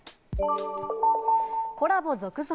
コラボ続々！